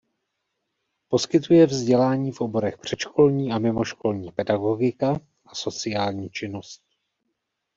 Poskytuje vzdělání v oborech "Předškolní a mimoškolní pedagogika" a "Sociální činnost".